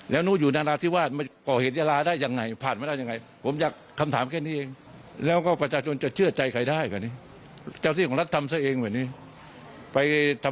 แล้วประชาชนก็จะเพิ่งใครกันนี่